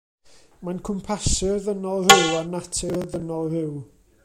Mae'n cwmpasu'r ddynol ryw a natur y ddynol ryw.